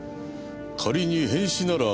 仮に変死なら。